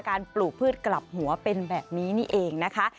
ปลูกพืชกลับหัวเป็นแบบนี้นี่เองนะคะ